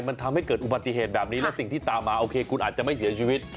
มันทำให้เกิดอุบัติเหตุแบบนี้และสิ่งที่ตามมาโอเคคุณอาจจะไม่เสียชีวิต